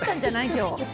今日。